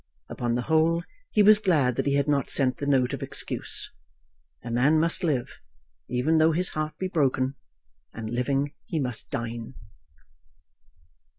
Upon the whole, he was glad that he had not sent the note of excuse. A man must live, even though his heart be broken, and living he must dine.